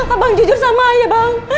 abang jujur sama ayah bang